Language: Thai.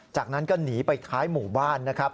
จากนั้นก็หนีไปท้ายหมู่บ้านนะครับ